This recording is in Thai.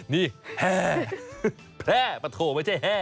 นี่แห้แพร่ปะโถไม่ใช่แห้